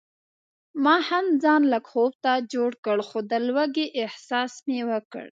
ما هم ځان لږ خوب ته جوړ کړ خو د لوږې احساس مې وکړ.